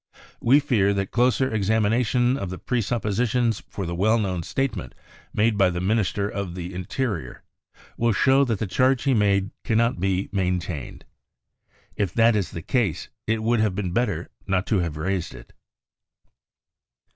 We fear that closer examina tion of the presuppositions for the well known state ment made by the Minister of the Interior will show that the charge he made cannot be maintained. If that is the case, it would hav£ been better not to have raised it."